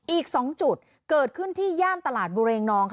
อีก๒จุดเกิดขึ้นที่ย่านตลาดบูเรงนองค่ะ